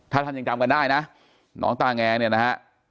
ถ้าท่านยังจำกันได้นะน้องต้าแงเนี่ยนะฮะ